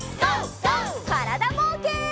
からだぼうけん。